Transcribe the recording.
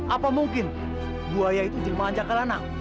apa mungkin buaya itu jelmahan jakal anak